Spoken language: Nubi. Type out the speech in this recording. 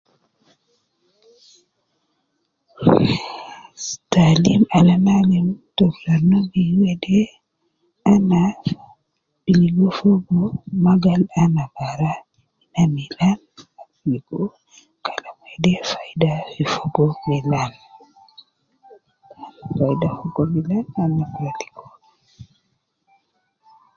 Taalim al ana alim te rutan Nubi wede ana ligo fogo ma gal ana bara, na milan ligo kan wede faida fogo milan, faida ligo milan